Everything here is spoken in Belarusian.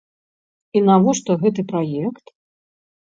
І навошта гэты праект?